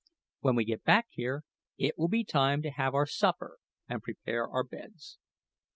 When we get back here it will be time to have our supper and prepare our beds."